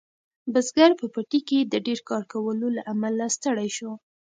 بزګر په پټي کې د ډیر کار کولو له امله ستړی شو.